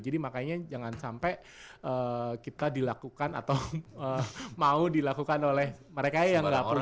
jadi makanya jangan sampai kita dilakukan atau mau dilakukan oleh mereka yang enggak punya